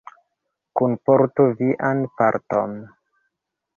Kunportu vian parton!